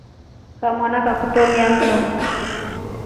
Kamana kakutemia nndo.